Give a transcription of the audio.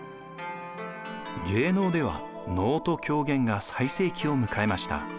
芸能では能と狂言が最盛期を迎えました。